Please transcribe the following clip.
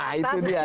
nah itu dia